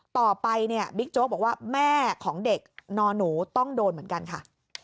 ต่อไปเนี่ยบิ๊กโจ๊กบอกว่าแม่ของเด็กนอนหนูต้องโดนเหมือนกันค่ะ